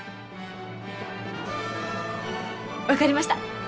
分かりました！